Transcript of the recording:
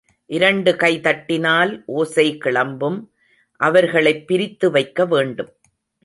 இரண்டு கை தட்டினால் ஓசை கிளம்பும் அவர்களைப் பிரித்து வைக்க வேண்டும்.